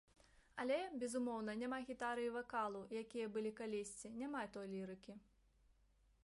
Але, безумоўна, няма гітары і вакалу, якія былі калісьці, няма той лірыкі.